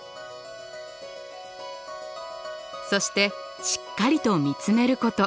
そしてしっかりと見つめること。